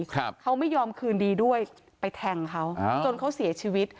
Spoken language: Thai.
ครับเขาไม่ยอมคืนดีด้วยไปแทงเขาอ่าจนเขาเสียชีวิต